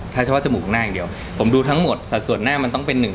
ถ้าเฉพาะจมูกของหน้าอย่างเดียว